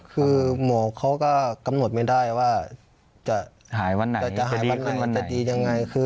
คือหมอเขาก็กำหนดไม่ได้ว่าจะหายวันไหนจะดียังไง